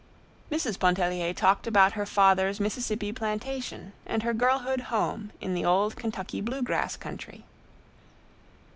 Mrs. Pontellier talked about her father's Mississippi plantation and her girlhood home in the old Kentucky blue grass country.